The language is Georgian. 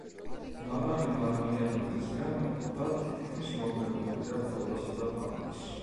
მაღალი მარილიანობის გამო, ტბა თითქმის მოკლებულია ფლორასა და ფაუნას.